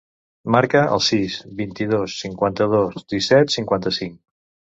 Marca el sis, vint-i-dos, cinquanta-dos, disset, cinquanta-cinc.